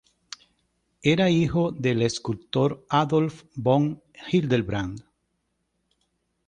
Era hijo del escultor Adolf von Hildebrand.